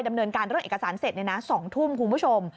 ดำเนินการเรื่องเอกสารเสร็จ๒ทุ่มคุณผู้ชม